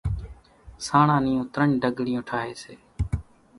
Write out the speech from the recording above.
سانڻان نيون ترڃ ڍڳليون ٺاۿي سي،